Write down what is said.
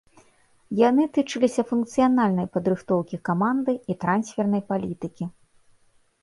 Яны тычыліся функцыянальнай падрыхтоўкі каманды і трансфернай палітыкі.